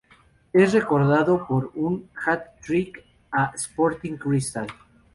Es recordado por un Hat-Trick a Sporting Cristal.